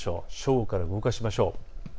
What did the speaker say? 正午から動かしましょう。